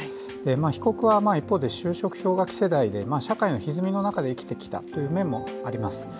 被告は一方で就職氷河期世代で、社会のひずみの中で生きてきたという面もあります。